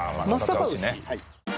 はい。